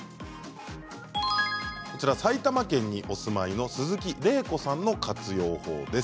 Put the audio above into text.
埼玉県にお住まいの鈴木れい子さんの活用法です。